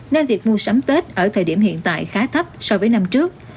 nên việc mua sắm tết ở thời điểm hiện tại khá thấp so với năm trước